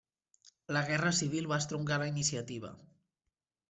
La Guerra Civil va estroncar la iniciativa.